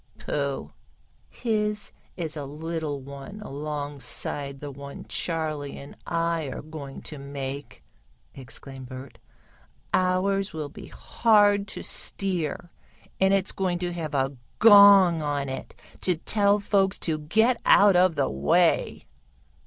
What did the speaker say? "Pooh! His is a little one alongside the one Charley and I are going to make!" exclaimed Bert. "Ours will be hard to steer, and it's going to have a gong on it to tell folks to get out of the way."